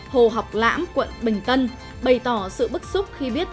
hồ học lãm quận bình tân bày tỏ sự bức xúc khi biết